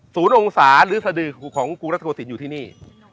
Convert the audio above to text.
ศูนย์องศาหรือสดือของกรุงรัฐโกสินอยู่ที่นี่